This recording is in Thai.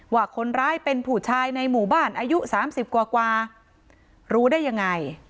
ว่าคนร้ายเป็นผู้ชายในหมู่บ้านอายุ๓๐กว่ารู้ได้ยังไง